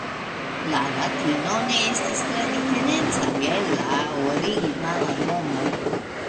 La Latino ne estis tre diferenca el la originala nomo.